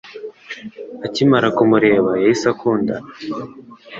Akimara kumureba, yahise akundana.